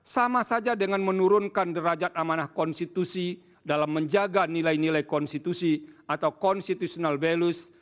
sama saja dengan menurunkan derajat amanah konstitusi dalam menjaga nilai nilai konstitusi atau constitutional values